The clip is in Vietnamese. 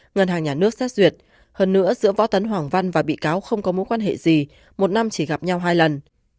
ngân hàng nhà nước xét duyệt hơn nữa giữa võ tấn hoàng văn và bị cáo không có mối quan hệ gì một năm chỉ gặp nhau hai lần